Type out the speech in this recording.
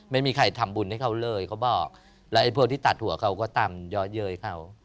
ไม่มีใครทำบุญให้เขาเลยเขาบอกแล้วไอ้พวกที่ตัดหัวเขาก็ตามยอดเยยเขา